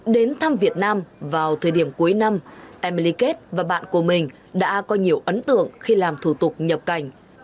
đến thăm việt nam vào thời điểm cuối năm emily kết và bạn của mình đã có nhiều ấn tượng khi làm thủ tục nhập cảnh